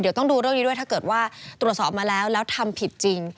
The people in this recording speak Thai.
เดี๋ยวต้องดูเรื่องนี้ด้วยถ้าเกิดว่าตรวจสอบมาแล้วแล้วทำผิดจริง